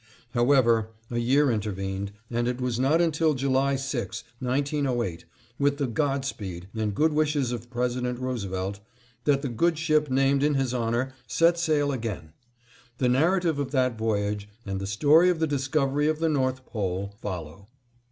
However, a year intervened, and it was not until July 6, 1908, with the God Speed and good wishes of President Roosevelt, that the good ship named in his honor set sail again. The narrative of that voyage, and the story of the discovery of the North Pole, follow.